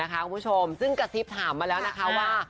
คุณผู้ชมซึ่งกระซิบถามมาแล้วนะคะว่า